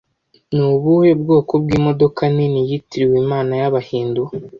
Ni ubuhe bwoko bw'imodoka nini yitiriwe Imana y'Abahindu